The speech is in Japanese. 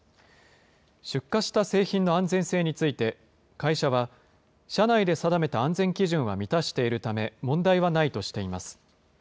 出荷した製品の安全性について、会社は、社内で定めた安全基準は満たしているため、問題はないとしています。